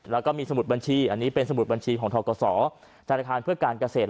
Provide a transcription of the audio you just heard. แล้วก็มีสมุดบัญชีอันนี้เป็นสมุดบัญชีของทกศธนาคารเพื่อการเกษตร